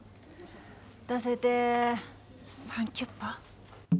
出せてサンキュッパ。